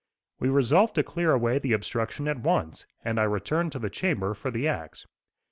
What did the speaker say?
We resolved to clear away the obstruction at once, and I returned to the chamber for the axe.